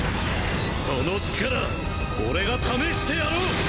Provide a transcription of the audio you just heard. その力俺が試してやろう！